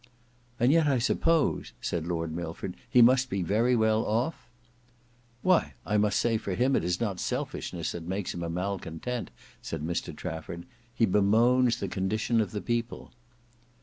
"And yet I suppose," said Lord Milford, "he must be very well off?" "Why I must say for him it is not selfishness that makes him a malcontent," said Mr Trafford; "he bemoans the condition of the people."